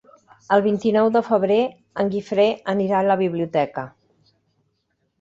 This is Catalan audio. El vint-i-nou de febrer en Guifré anirà a la biblioteca.